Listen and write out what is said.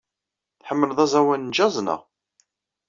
Tḥemmled aẓawan n jazz, naɣ?